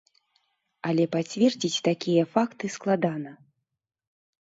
Але пацвердзіць такія факты складана.